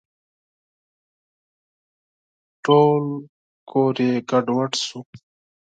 ټول کور یې ګډوډ شو .